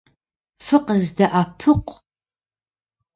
Fıkhızde'epıkhu!